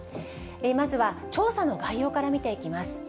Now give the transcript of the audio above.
まずは調査の概要から見ていきます。